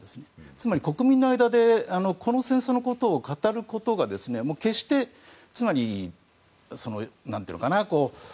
つまり国民の間でこの戦争のことを語ることが。なんていうのかな。